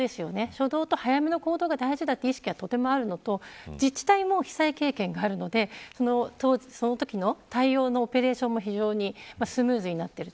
初動と早めの行動が大事だという意識があるのと自治体も被災経験があるのでそのときの対応のオペレーションも非常にスムーズになっている。